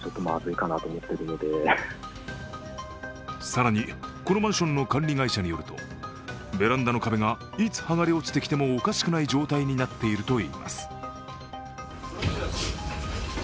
更に、このマンションの管理会社によると、ベランダの壁がいつ剥がれ落ちてきてもおかしくない状態になっているといいます。